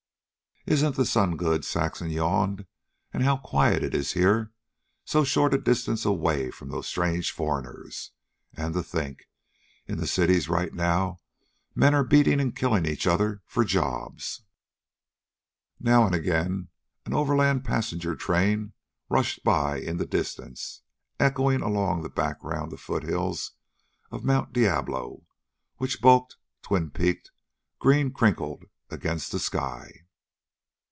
"Isn't the sun good," Saxon yawned. "And how quiet it is here, so short a distance away from those strange foreigners. And to think! in the cities, right now, men are beating and killing each other for jobs." Now and again an overland passenger train rushed by in the distance, echoing along the background of foothills of Mt. Diablo, which bulked, twin peaked, greencrinkled, against the sky.